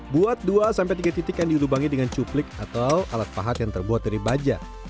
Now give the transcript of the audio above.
buat dua sampai tiga titik yang dilubangi dengan cuplik atau alat pahat yang terbuat dari baja